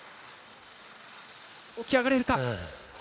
起き上がれるか。